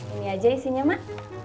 ini aja isinya mak